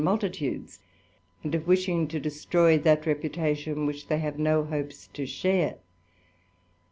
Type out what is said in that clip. multitudes, and of wishing to destroy that reputation which they have no hopes to share.